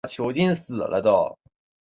乞伏炽磐任命索棱为太傅。